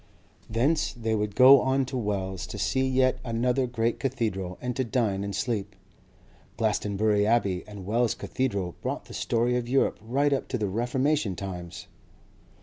Thence they would go on to Wells to see yet another great cathedral and to dine and sleep. Glastonbury Abbey and Wells Cathedral brought the story of Europe right up to Reformation times.